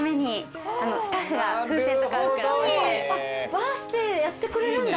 バースデーやってくれるんだ